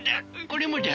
これもだ！